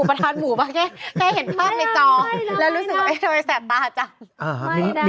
อุปาทาหมู่ป่ะแค่เห็นภาพในจอแล้วรู้สึกว่าเอ๊ะทำไมแสบตาจังไม่ได้ไม่ได้